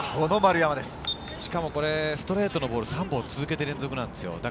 しかもこれ、ストレートのボール３本続けてなんですよ。